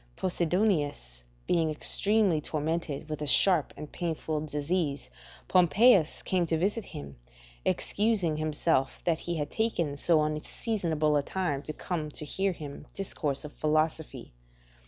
Posidonius being extremely tormented with a sharp and painful disease, Pompeius came to visit him, excusing himself that he had taken so unseasonable a time to come to hear him discourse of philosophy.